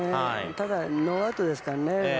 ただノーアウトですから。